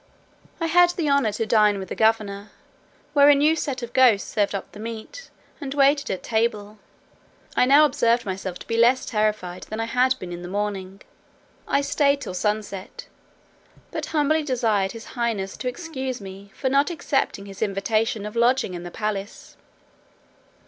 I had the honour to dine with the governor, where a new set of ghosts served up the meat, and waited at table. I now observed myself to be less terrified than I had been in the morning. I stayed till sunset, but humbly desired his highness to excuse me for not accepting his invitation of lodging in the palace.